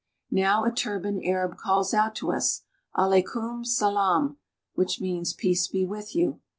Now a turbaned Arab calls out to us, Aleikoom salaam," which means *' Peace be with you."